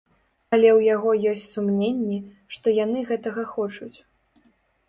Але ў яго ёсць сумненні, што яны гэтага хочуць.